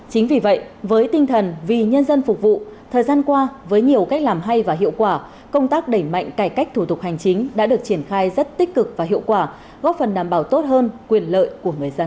chính vì vậy với tinh thần vì nhân dân phục vụ thời gian qua với nhiều cách làm hay và hiệu quả công tác đẩy mạnh cải cách thủ tục hành chính đã được triển khai rất tích cực và hiệu quả góp phần đảm bảo tốt hơn quyền lợi của người dân